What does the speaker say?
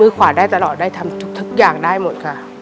ขวาได้ตลอดได้ทำทุกอย่างได้หมดค่ะ